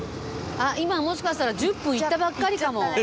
あっ今もしかしたら１０分行ったばっかりかも。